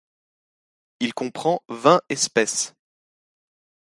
Il comprend vingt espèces.